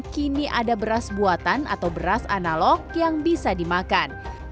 kini ada beras buatan atau beras analog yang bisa dimakan